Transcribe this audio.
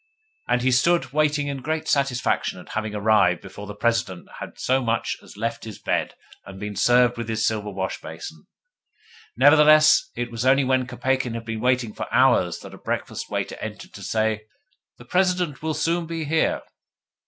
And he stood waiting in great satisfaction at having arrived before the President had so much as left his bed and been served with his silver wash basin. Nevertheless, it was only when Kopeikin had been waiting four hours that a breakfast waiter entered to say, 'The President will soon be here.